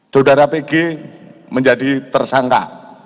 jodhara pg menjadi tersangka